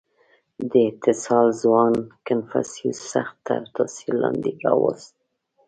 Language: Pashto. • دې اتصال ځوان کنفوسیوس سخت تر تأثیر لاندې راوست.